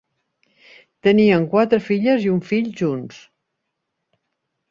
Tenien quatre filles i un fill junts.